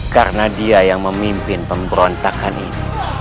karena dia yang memimpin pemberontakan ini